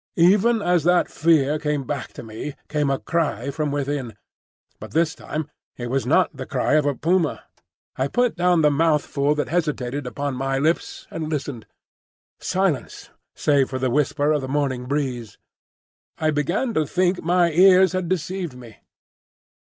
Even as that fear came back to me came a cry from within; but this time it was not the cry of a puma. I put down the mouthful that hesitated upon my lips, and listened. Silence, save for the whisper of the morning breeze. I began to think my ears had deceived me.